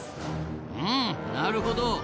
んなるほど。